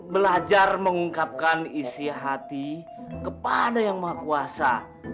belajar mengungkapkan isi hati kepada yang maha kuasa